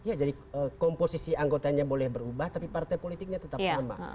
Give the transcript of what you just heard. ya jadi komposisi anggotanya boleh berubah tapi partai politiknya tetap sama